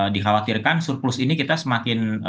dikhawatirkan surplus ini kita semakin